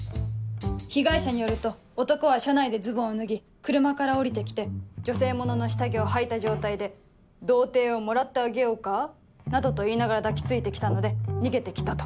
被害者によると男は車内でズボンを脱ぎ車から降りて来て女性物の下着をはいた状態で「童貞をもらってあげようか」などと言いながら抱き付いて来たので逃げて来たと。